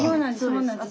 そうなんです。